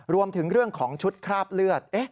รวมถึงเรื่องของชุดคราบเลือด